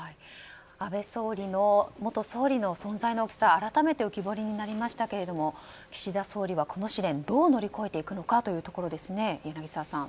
安倍元総理の存在の大きさが改めて浮き彫りになりましたが岸田総理はこの試練をどう乗り越えていくのかですね柳澤さん。